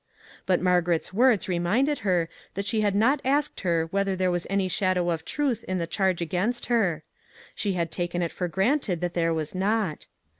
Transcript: But Margaret's words reminded her that she had not asked her whether there was any shadow of truth in the charge against her ; she had taken it for granted that there was not.